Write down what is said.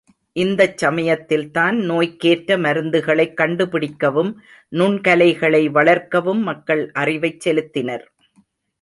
இந்தச் சமயத்தில் தான், நோய்க்கேற்ற மருந்துகளைக் கண்டு பிடிக்கவும் நுண் கலைகளை வளர்க்கவும் மக்கள் அறிவைச் செலுத்தினர்.